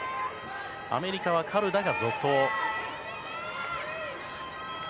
アメリカはカルダが続投。